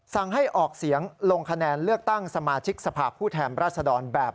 ให้ออกเสียงลงคะแนนเลือกตั้งสมาชิกสภาพผู้แทนราชดรแบบ